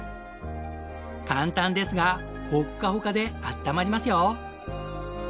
簡単ですがホッカホカであったまりますよ。